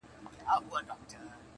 خو د درد اصل حل نه مومي او پاتې,